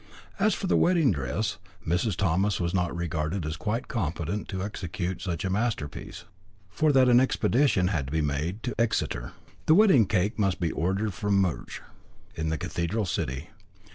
As for the wedding dress, Mrs. Thomas was not regarded as quite competent to execute such a masterpiece. For that an expedition had to be made to Exeter. The wedding cake must be ordered from Murch, in the cathedral city.